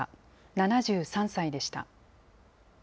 ７３歳でした。